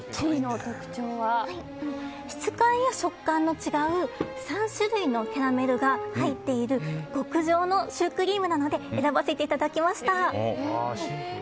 質感や食感の違う３種類のキャラメルが入っている極上のシュークリームなので選ばせていただきました。